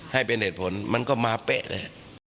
ให้เป็นเหตุผลมันก็มาเป๊ะเลย